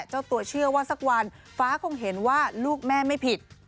เจ้าตัวเชื่อว่าสักวันฟ้าคงเห็นว่าลูกแม่ไม่ผิด